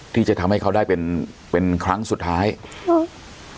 ที่จะทำให้เขาได้เป็นเป็นครั้งสุดท้ายครับ